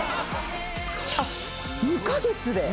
「あっ２カ月で？」